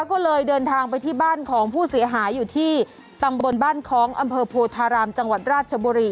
ก็เลยเดินทางไปที่บ้านของผู้เสียหายอยู่ที่ตำบลบ้านคล้องอำเภอโพธารามจังหวัดราชบุรี